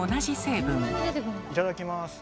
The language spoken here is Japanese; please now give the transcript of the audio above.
いただきます。